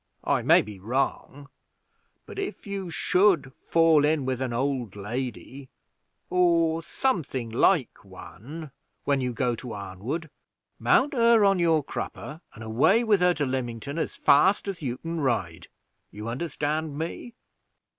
I may be wrong; but if you should fall in with an old lady or something like one when you go to Arnwood, mount her on your crupper and away with her to Lymington as fast as you can ride. You understand me?"